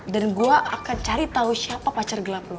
dan gue akan cari tau siapa pacar gelap lo